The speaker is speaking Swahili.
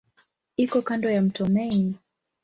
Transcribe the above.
Iko kando ya mto Main.